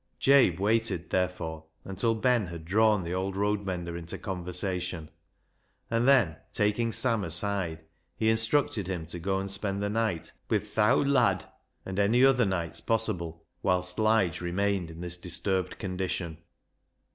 Jabe waited, therefore, until Ben had drawn the old road mender into conversation, and then, taking Sam aside, he instructed him to go and spend the night with " th' owd lad," and any other nights possible whilst Lige remained in this disturbed condition.